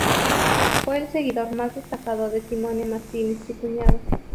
Fue el seguidor más destacado de Simone Martini, su cuñado.